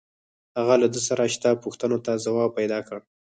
هغه له ده سره شته پوښتنو ته ځواب پیدا کړ